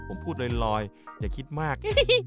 ผมพูดลอยอย่าคิดมาก